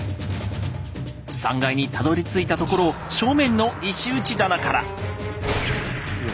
３階にたどりついたところを正面の石打棚から。